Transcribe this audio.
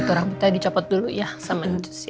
turah putihnya dicopot dulu ya sama nacus ya